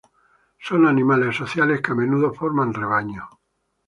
Son animales sociales que, a menudo, forman rebaños.